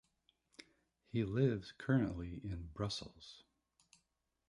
He lives currently in Brussels.